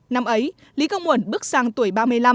năm ấy lý công uẩn bước sang tuổi ba mươi năm